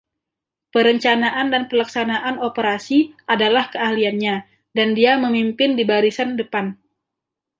Perencanaan dan pelaksanaan operasi adalah keahliannya dan dia memimpin di barisan depan.